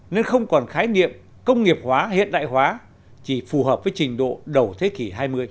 nên không còn khái niệm công nghiệp hóa hiện đại hóa chỉ phù hợp với trình độ đầu thế kỷ hai mươi